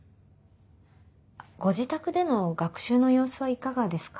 ご自宅での学習の様子はいかがですか？